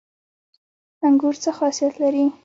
انګور څه خاصیت لري؟